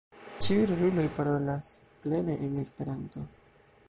Ĉiuj roluloj parolas plene en Esperanto.